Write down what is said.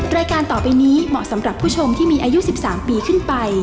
รายการต่อไปนี้เหมาะสำหรับผู้ชมที่มีอายุ๑๓ปีขึ้นไป